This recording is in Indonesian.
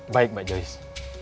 baik mbak joyce